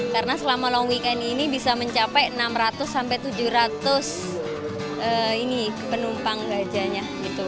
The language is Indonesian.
karena selama long weekend ini bisa mencapai enam ratus tujuh ratus penumpang gajahnya